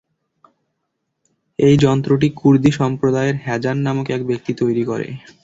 এই যন্ত্রটি কুর্দী সম্প্রদায়ের হাযান নামক এক ব্যক্তি তৈরি করে।